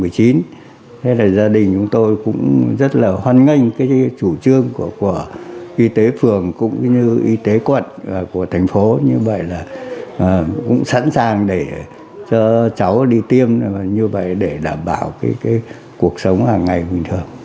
thế là gia đình chúng tôi cũng rất là hoan nghênh cái chủ trương của y tế phường cũng như y tế quận của thành phố như vậy là cũng sẵn sàng để cho cháu đi tiêm như vậy để đảm bảo cái cuộc sống hàng ngày bình thường